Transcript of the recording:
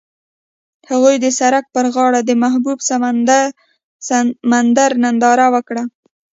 هغوی د سړک پر غاړه د محبوب سمندر ننداره وکړه.